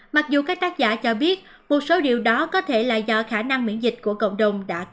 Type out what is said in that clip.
mặc dù các tác giả cho biết một số điều đó có thể là do khả năng miễn dịch của cộng đồng đã tăng cao